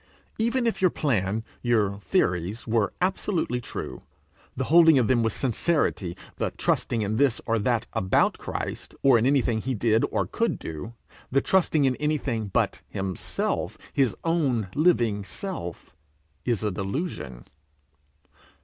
Even if your plan, your theories, were absolutely true, the holding of them with sincerity, the trusting in this or that about Christ, or in anything he did or could do, the trusting in anything but himself, his own living self, is a delusion.